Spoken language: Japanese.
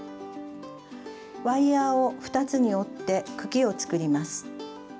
ワイヤーを２つに折って茎を作ります。